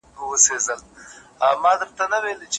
کلونه کیږي چي یې اورو دا یوه کیسه ده